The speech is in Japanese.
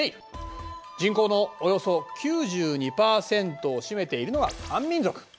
人口のおよそ９２％を占めているのが漢民族。